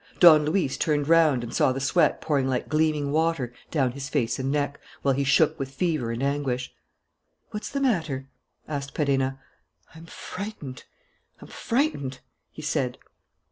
Don Luis turned round and saw the sweat pouring like gleaming water down his face and neck, while he shook with fever and anguish. "What's the matter?" asked Perenna. "I'm frightened! I'm frightened!" he said.